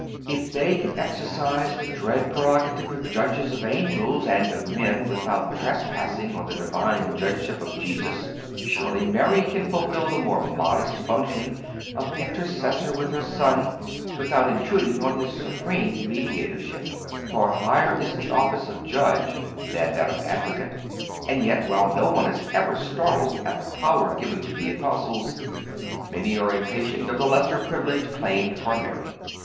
If they can exercise the dread prerogative of judges of angels and of men without trespassing on the Divine judgeship of Jesus, surely Mary can fulfill the more modest function of intercessor with her Son without intruding on His supreme mediatorship, for higher is the office of judge than that of advocate. And yet, while no one is ever startled at the power given to the Apostles, many are impatient of the lesser privilege claimed for Mary.